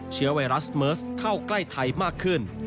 เชื้อไวรัสเมิร์สเข้าใกล้ไทยมากขึ้น